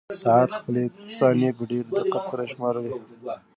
ساعت خپلې ثانیې په ډېر دقت سره شمارلې.